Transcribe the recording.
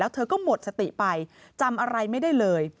เธอก็หมดสติไปจำอะไรไม่ได้เลย